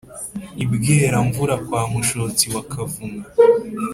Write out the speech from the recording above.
i bweramvura kwa mushotsi wa kavuna